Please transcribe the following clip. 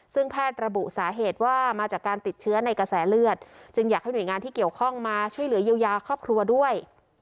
ซึ่งแพทย์ระบุสาเหตุว่ามาจากการติดเชื้อในกระแสเลือดจึงอยากให้หน่วยงานที่เกี่ยวข้องมาช่วยเหลือเยียวยาครอบครัวด้วย